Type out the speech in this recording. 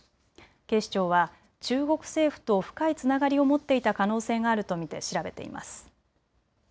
警視庁は中国政府と深いつながりを持っていた可能性があると見て調べています。